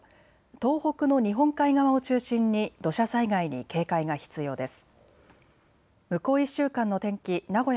東北の日本海側を中心に土砂災害に警戒が必要です。